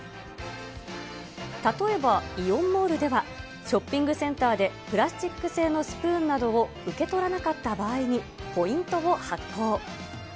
例えばイオンモールでは、ショッピングセンターでプラスチック製のスプーンなどを受け取らなかった場合にポイントを発行。